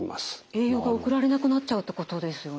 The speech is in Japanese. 栄養が送られなくなっちゃうってことですよね？